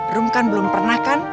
rum kan belum pernah kan